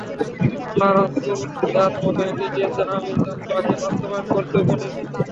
আল্লাহর রাসূল যা তোমাকে নির্দেশ দিয়েছেন আমি তা তোমাকে বাস্তবায়ন করতে উপদেশ দিচ্ছি।